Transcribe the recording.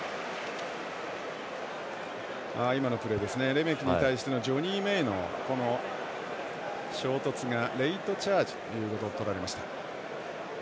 レメキに対してジョニー・メイの衝突がレイトチャージをとられました。